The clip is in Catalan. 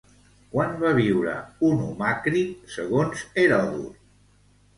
Quan va viure Onomàcrit, segons Heròdot?